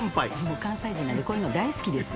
もう関西人ならこういうの大好きです。